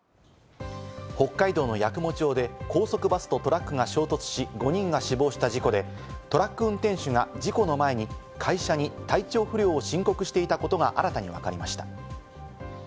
北海道の八雲町で高速バスとトラックが衝突し、５人が死亡した事故で、トラック運転手が事故の前に会社に体調不良を申告していたことが新たにわかりました。